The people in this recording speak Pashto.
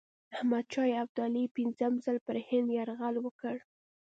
احمدشاه ابدالي پنځم ځل پر هند یرغل وکړ.